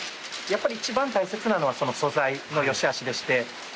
やっぱり一番大切なのは素材の良しあしでして。